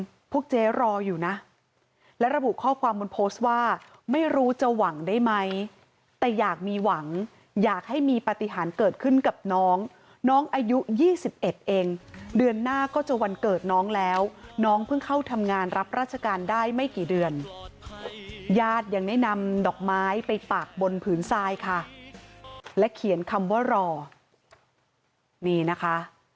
พวกเจ๊รออยู่นะและระบุข้อความบนโพสต์ว่าไม่รู้จะหวังได้ไหมแต่อยากมีหวังอยากให้มีปฏิหารเกิดขึ้นกับน้องน้องอายุ๒๑เองเดือนหน้าก็จะวันเกิดน้องแล้วน้องเพิ่งเข้าทำงานรับราชการได้ไม่กี่เดือนญาติยังได้นำดอกไม้ไปปากบนผืนทรายค่ะและเขียนคำว่ารอนี่นะคะ